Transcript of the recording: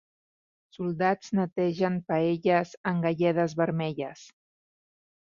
Soldats netegen paelles en galledes vermelles.